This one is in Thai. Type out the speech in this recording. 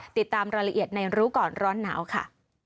ติดตามรายละเอียดในรู้ก่อนร้อนหนาวค่ะ